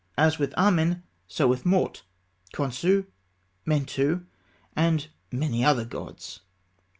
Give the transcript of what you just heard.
As with Amen, so with Maut, Khonsû, Mentû, and many other gods.